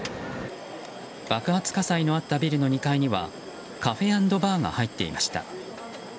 爆発火災のあったビルの２階にはカフェ＆バーが入っていました。